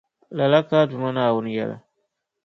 Lala ka a Duuma Naawuni yεli.